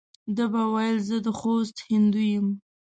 ده به ویل زه د خوست هندو یم.